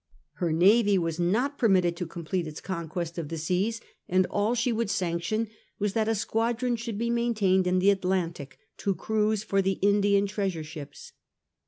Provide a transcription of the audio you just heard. Her navy was not permitted to complete its conquest of the seas, and a]l she would sanction was that a squadron should be maintained in the Atlantic to cruise for the Indian treasure ships.